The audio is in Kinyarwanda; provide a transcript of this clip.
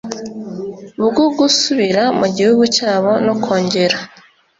bwo gusubira mu gihugu cyabo no kongera